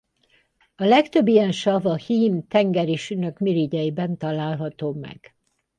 A legtöbb ilyen sav a hím tengerisünök mirigyeiben található meg.